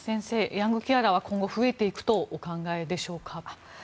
ヤングケアラーは今後増えていくとお考えでしょうか。